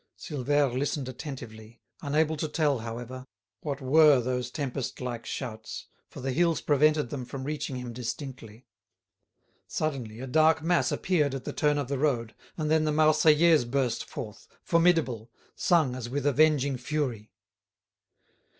Silvère listened attentively, unable to tell, however, what were those tempest like shouts, for the hills prevented them from reaching him distinctly. Suddenly a dark mass appeared at the turn of the road, and then the "Marseillaise" burst forth, formidable, sung as with avenging fury.